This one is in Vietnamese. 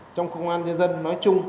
trong công an nhân dân nói chung